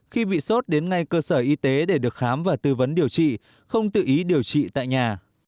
khi bị sốt đến ngay cơ sở y tế để được khám và tư vấn điều trị không tự ý điều trị tại nhà